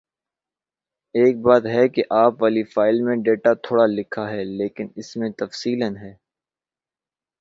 ایک بات ہے کہ آپ والی فائل میں ڈیٹا تھوڑا لکھا ہے لیکن اس میں تفصیلاً ہے